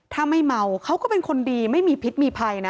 ถ้าไม่เมาเขาก็เป็นคนดีไม่มีพิษมีภัยนะ